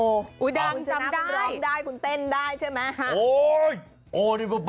ลุ้นสำได้คุณชนะเขาร้องได้คุณเต้นได้ใช่ไหม